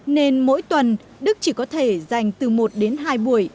nên mỗi tuần đức chỉ có thể dành từ một đến hai buổi